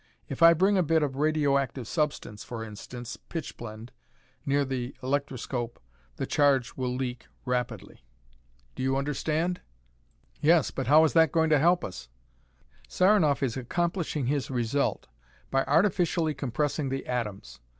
If I bring a bit of radioactive substance, for instance, pitchblende, near the electroscope, the charge will leak rapidly. Do you understand?" "Yes, but how is that going to help us?" "Saranoff is accomplishing his result by artificially compressing the atoms.